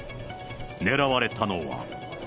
狙われたのは。